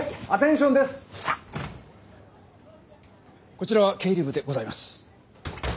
こちらが経理部でございます。